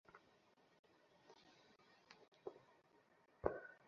খাব, কিন্তু একটা শর্ত আছে।